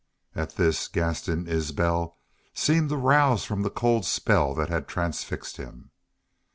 At this Gaston Isbel seemed to rouse from the cold spell that had transfixed him.